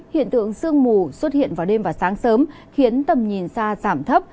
hiện tượng sương mù xuất hiện vào đêm và sáng sớm khiến tầm nhìn xa giảm thấp